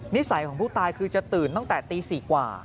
นิสัยของผู้ตายคือจะตื่นตั้งแต่ตี๔กว่า